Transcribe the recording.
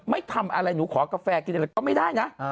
ไม่ทำอะไรหนูขอกาแฟกินอะไรก็ไม่ได้นะ